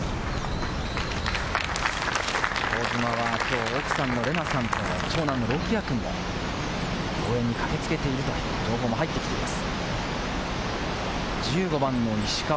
香妻はきょう、奥さんのれなさんと、長男の、ろきあくんが応援に駆けつけているという情報も入ってきています。